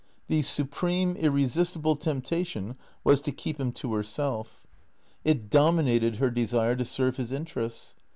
The supreme, irresistible temptation was to keep him to herself. It 182 THBCEBATOKS dominated her desire to serve his interests.